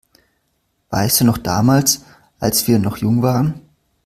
Weißt du noch damals, als wir noch jung waren?